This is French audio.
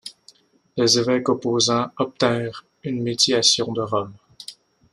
Les évêques opposants obtinrent une médiation de Rome.